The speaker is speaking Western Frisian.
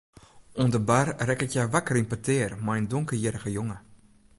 Oan de bar rekket hja wakker yn petear mei in donkerhierrige jonge.